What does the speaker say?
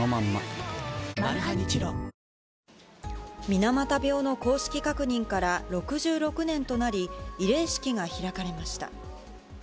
水俣病の公式確認から６６年となり、慰霊式が開かれました。